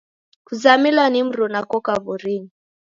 Kuzamilwa ni mruna koka w'orinyi.